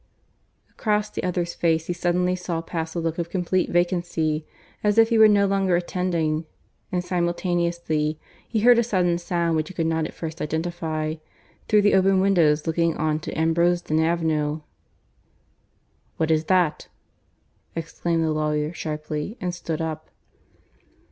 Across the other's face he suddenly saw pass a look of complete vacancy, as if he were no longer attending; and, simultaneously, he heard a sudden sound which he could not at first identify, through the open windows looking on to Ambrosden Avenue. "What is that?" exclaimed the lawyer sharply; and stood up.